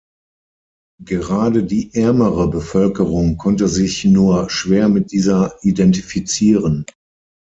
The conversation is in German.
Gerade die ärmere Bevölkerung konnte sich nur schwer mit dieser identifizieren.